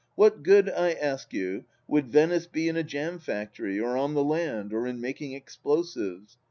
What good, I ask you, would Venice be in a jam factory or on the land or in making explosives